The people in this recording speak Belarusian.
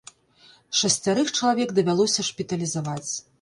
Шасцярых чалавек давялося шпіталізаваць.